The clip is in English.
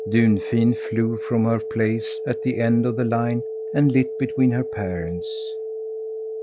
Dunfin flew from her place at the end of the line and lit between her parents.